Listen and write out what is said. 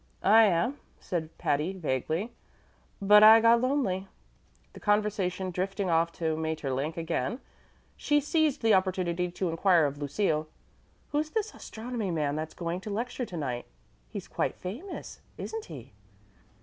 "I am," said Patty, vaguely; "but I got lonely." The conversation drifting off to Maeterlinck again, she seized the opportunity to inquire of Lucille: "Who's this astronomy man that's going to lecture to night? He's quite famous, isn't he?"